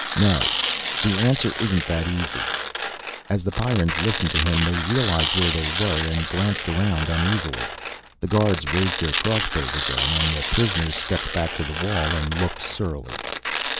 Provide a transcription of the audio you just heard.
No, the answer isn't that easy." As the Pyrrans listened to him they realized where they were, and glanced around uneasily. The guards raised their crossbows again, and the prisoners stepped back to the wall and looked surly.